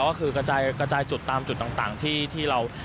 ก็คือกระจายจุดตามจุดต่างที่เรา